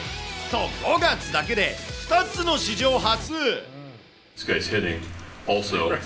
５月だけで２つの史上初。